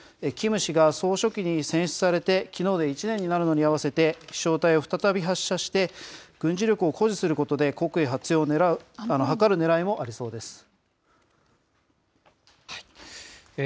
キム氏が総書記に選出されてきのうで１年になるのに合わせて、飛しょう体を再び発射して、軍事力を誇示することで、国威発揚を図るねらいもありそうです。